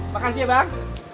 makasih ya bang